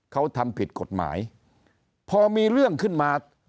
เขาทำผิดกฎหมายพอมีเรื่องขึ้นมา